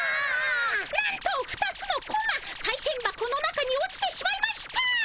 なんと２つのコマさいせん箱の中に落ちてしまいました。